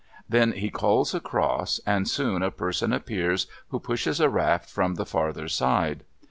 Then he calls across, and soon a person appears who pushes a raft from the farther side.